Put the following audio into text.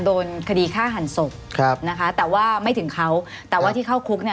โดนคดีฆ่าหันศพครับนะคะแต่ว่าไม่ถึงเขาแต่ว่าที่เข้าคุกเนี่ย